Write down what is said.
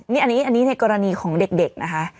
นี่อันนี้ในกรณีของเด็กนะคะ